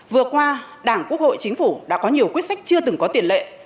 vừa qua đảng quốc hội chính phủ đã có nhiều quyết sách chưa từng có tiền lệ